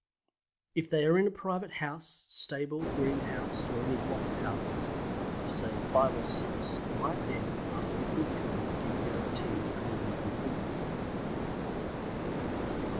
If they are in a private house, stable, greenhouse, or any block of houses, of say five or six, I might then, after looking through, give a guarantee to clear them completely.